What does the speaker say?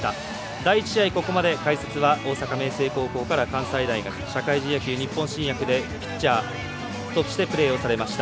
第１試合、ここまで解説は大阪明星高校から関西大学、社会人野球日本新薬でピッチャーとしてプレーされました